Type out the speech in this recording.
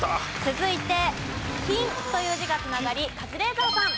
続いて「金」という字が繋がりカズレーザーさん。